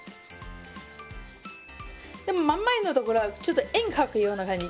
でも真ん前の所はちょっと円描くような感じ。